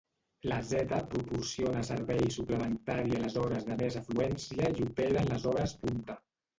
La Z proporciona servei suplementari a les hores de més afluència i opera en les hores punta.